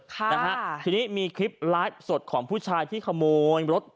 ค่ะนะฮะทีนี้มีคลิปไลฟ์สดของผู้ชายที่ขโมยรถ